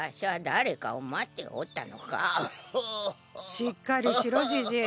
しっかりしろじじい。